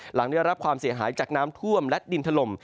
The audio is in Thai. หลังได้รับความเสียหายจากน้ำท่วมและดินถล่ม